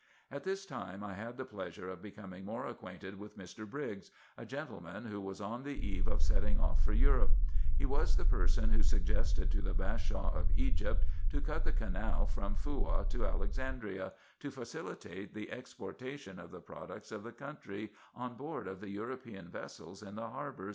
At tins time I had the pleasure of becoming more acquainted with Mr. Briggs, a gentleman who was on the eve of setting off for Europe : he was the person who suggested to the Bashaw of Egypt to cut the canal from Foua to Alexandria, to facilitate the exportation of the products of the country on board of the European vessels in the harbour?